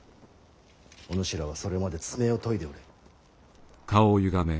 お主らはそれまで爪を研いでおれ。